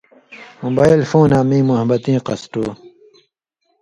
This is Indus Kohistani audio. موبائل فُون آں میں موحبتیں قصٹُو